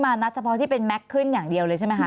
นัดเฉพาะที่เป็นแม็กซ์ขึ้นอย่างเดียวเลยใช่ไหมคะ